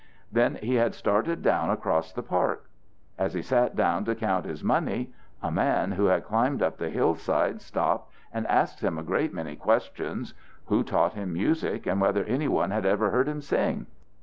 Then he had started down across the park. As he sat down to count his money, a man who had climbed up the hillside stopped and asked him a great many questions: who taught him music and whether any one had ever heard him sing.